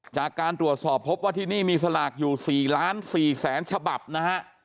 จากการตรวจสอบพบว่าที่นี่มีสลากอยู่๔๔๐๐๐ฉบับนะฮะ